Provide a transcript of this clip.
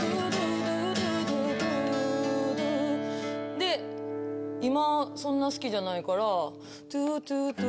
で今そんな好きじゃないから。